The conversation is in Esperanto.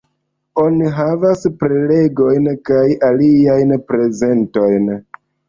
Oni havas prelegojn kaj aliajn prezentojn.